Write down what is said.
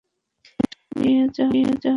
একশ নিয়ে যাও।